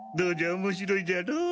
おもしろいじゃろう？